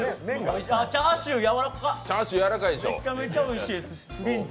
チャーシューやわらかめちゃめちゃおいしいです、ミンチ。